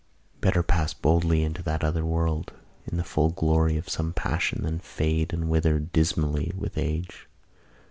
Better pass boldly into that other world, in the full glory of some passion, than fade and wither dismally with age.